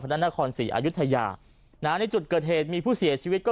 พระนครศรีอายุทยานะในจุดเกิดเหตุมีผู้เสียชีวิตก็